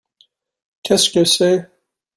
Qu’est-ce que c’est ?